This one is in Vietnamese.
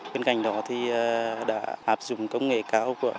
bên cạnh đó thì đã hạp dụng công nghệ cao